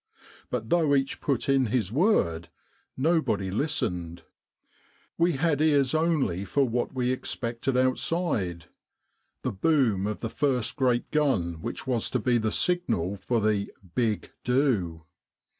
But though each put in his word, nobody listened. We had ears only for what we expected outside the boom of the first great gun which was to be the signal for the 'big do.'